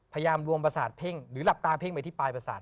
รวมประสาทเพ่งหรือหลับตาเพ่งไปที่ปลายประสาท